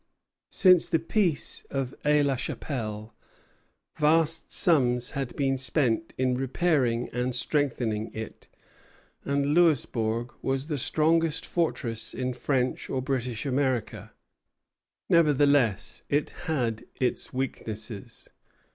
Since the peace of Aix la Chapelle vast sums had been spent in repairing and strengthening it; and Louisbourg was the strongest fortress in French or British America. Nevertheless it had its weaknesses.